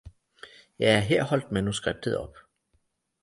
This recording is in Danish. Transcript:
Ja her holdt manuskriptet op.